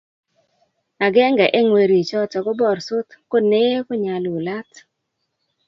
agenge eng' werichoto ko borsot ko nee ko nyalulat.